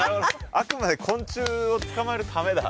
あくまで昆虫を捕まえるためだ。